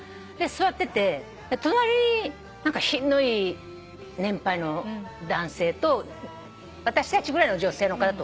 座ってて隣に品のいい年配の男性と私たちぐらいの女性の方と２人組だったの。